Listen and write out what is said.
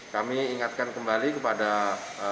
kami ingatkan kembali kepada